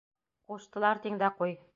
Ҡуштылар, тиң дә ҡуй.